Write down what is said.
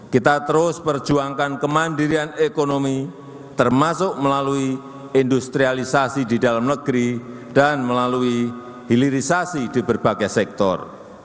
kita terus perjuangkan kemandirian ekonomi termasuk melalui industrialisasi di dalam negeri dan melalui hilirisasi di berbagai sektor